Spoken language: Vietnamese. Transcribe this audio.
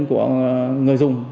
của người dùng